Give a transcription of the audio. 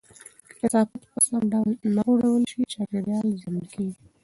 که کثافات په سم ډول نه غورځول شي، چاپیریال زیانمن کېږي.